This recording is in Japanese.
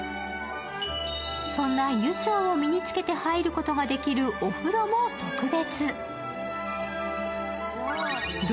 そんな湯帳を身に着けて入ることもできるお風呂も特別。